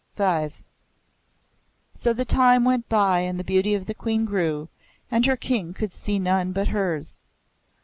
V So the time went by and the beauty of the Queen grew, and her King could see none but hers.